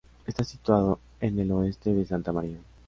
Está situado en el oeste de Santa Maria.